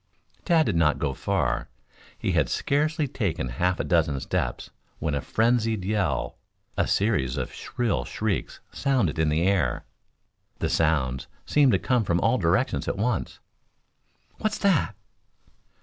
Tad did not go far. He had scarcely taken half a dozen steps when a frenzied yell, a series of shrill shrieks sounded in the air. The sounds seemed to come from all directions at once. "What's that?"